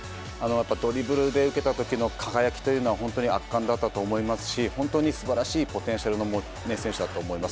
ドリブル受けた時の輝きというのは本当に圧巻だったと思いますし本当に素晴らしいポテンシャルの選手だと思います。